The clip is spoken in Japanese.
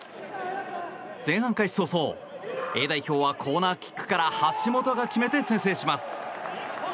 前半開始早々、Ａ代表はコーナーキックから橋本が決めて先制します。